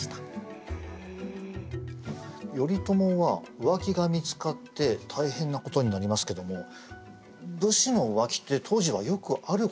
頼朝は浮気が見つかって大変なことになりますけども武士の浮気って当時はよくあることだったんでしょうか？